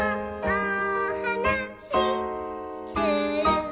おはなしする」